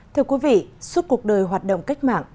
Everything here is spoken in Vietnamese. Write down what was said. thưa quý vị suốt cuộc đời hoạt động cách mạng